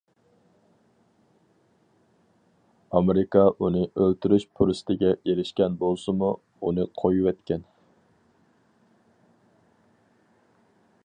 ئامېرىكا ئۇنى ئۆلتۈرۈش پۇرسىتىگە ئېرىشكەن بولسىمۇ، ئۇنى قويۇۋەتكەن.